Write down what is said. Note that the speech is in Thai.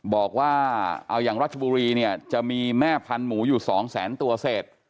บอกว่าเอาอย่างราชบุรีเนี่ยจะมีแม่พันธุ์หมูอยู่๒แสนตัวเศษ